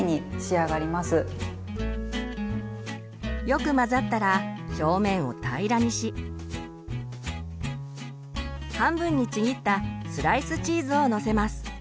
よく混ざったら表面を平らにし半分にちぎったスライスチーズをのせます。